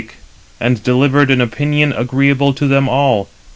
Thus he spoke, and delivered an opinion agreeable to them all.